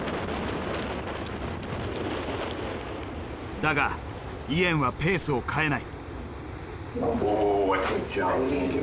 だがイエンはペースを変えない。